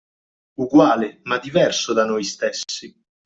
Uguale ma diverso da noi stessi.